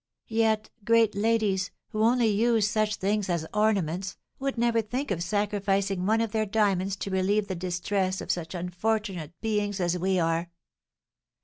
Yet great ladies, who only use such things as ornaments, would never think of sacrificing one of their diamonds to relieve the distress of such unfortunate beings as we are."